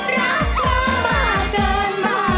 รักพ่อมากเดินมา